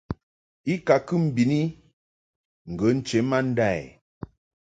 I ka kɨ mbɨni ŋgə nche ma nda i.